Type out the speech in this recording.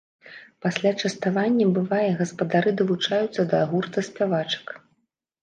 Пасля частавання, бывае, гаспадары далучаюцца да гурта спявачак.